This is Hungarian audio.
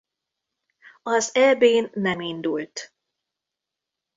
Az Eb-n nem indult.